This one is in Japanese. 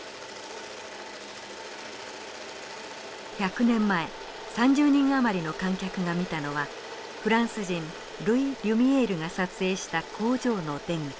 １００年前３０人余りの観客が見たのはフランス人ルイ・リュミエールが撮影した「工場の出口」。